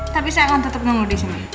tapi saya akan tetap menunggu di sini